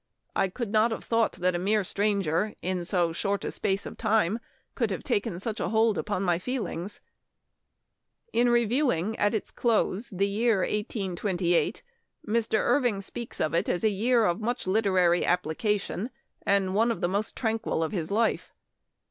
I could not have thought that a mere stranger in so short a space of time could have taken such a hold upon my feelings." In reviewing at its close the year 1828, Mr. Irving speaks of it as a year of much literary application, and one of the most tranquil of his life.